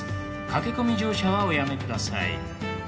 駆け込み乗車はおやめください。